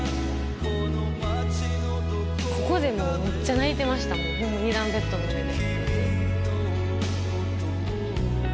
ここでもう、めっちゃ泣いてましたもん、２段ベッドの上で。